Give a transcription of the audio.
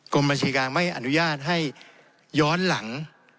กรมบัญชีกลางไม่อนุญาตให้ย้อนหลัง